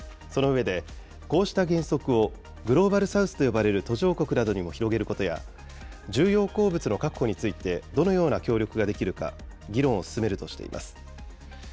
その上で、こうした原則をグローバル・サウスと呼ばれる途上国などにも広げることや、重要鉱物の確保についてどのような協力ができるか、議論を進めるとしています。